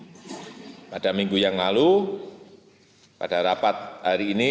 dan pada minggu yang lalu pada rapat hari ini